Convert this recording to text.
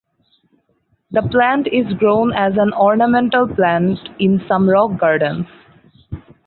The plant is grown as an ornamental plant in some rock gardens.